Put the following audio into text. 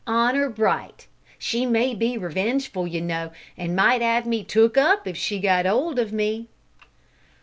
Honour bright! She may be revengeful, you know, an' might 'ave me took up if she got 'old of me."